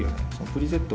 プリセット